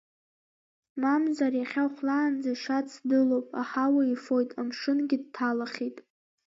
Мамзар иахьа хәлаанӡа ашьац дылоуп, аҳауа ифоит, амшынгьы дҭалахьеит.